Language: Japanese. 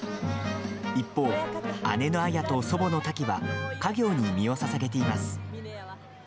一方、姉の綾と祖母のタキは家業に身をささげています。